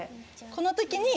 この時に。